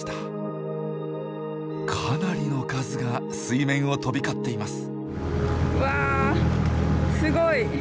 かなりの数が水面を飛び交っています。